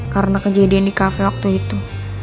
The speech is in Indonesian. karena kejadian di kafe waktu itu